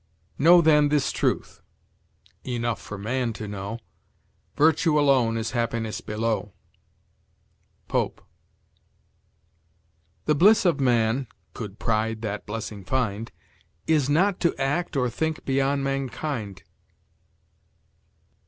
"Know then this truth (enough for man to know), Virtue alone is happiness below." Pope. "The bliss of man (could pride that blessing find) Is not to act or think beyond mankind."